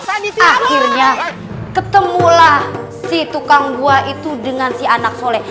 akhirnya ketemulah si tukang gua itu dengan si anak soleh